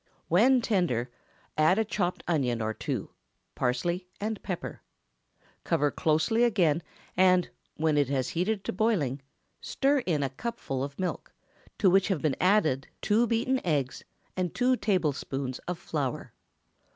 When tender, add a chopped onion or two, parsley, and pepper. Cover closely again, and, when it has heated to boiling, stir in a teacupful of milk, to which have been added two beaten eggs and two tablespoonfuls of flour.